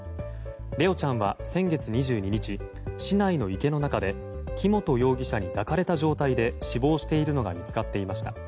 怜旺ちゃんは先月２２日市内の池の中で木本容疑者に抱かれた状態で死亡しているのが見つかっていました。